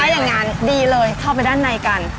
อย่างนั้นดีเลยเข้าไปด้านในกัน